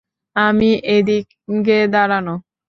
আমি এদিকে দাঁড়ানো।